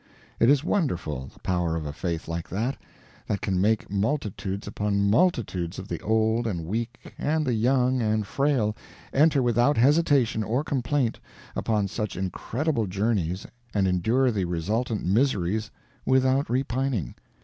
It is wonderful, the power of a faith like that, that can make multitudes upon multitudes of the old and weak and the young and frail enter without hesitation or complaint upon such incredible journeys and endure the resultant miseries without repining.